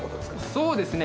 そうですね